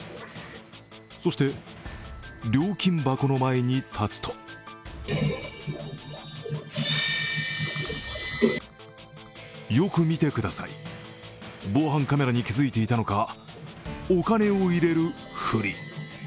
そして、料金箱の前に立つとよく見てください、防犯カメラに気付いていたのかお金を入れるふり。